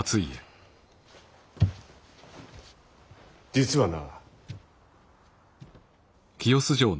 実はな。